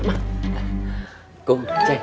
banyak yang kabur dari cibarenko